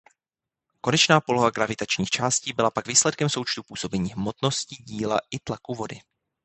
Konečná poloha gravitačních částí byla pak výsledkem součtu působení hmotnosti díla i tlaku vody.